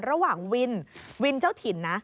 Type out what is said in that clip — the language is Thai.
ระหว่างวินวินเจ้าถิ่นนะ